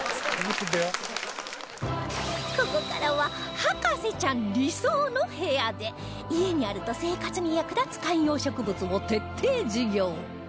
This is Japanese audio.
ここからは博士ちゃん理想の部屋で家にあると生活に役立つ観葉植物を徹底授業